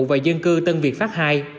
và dân cư tân việt pháp hai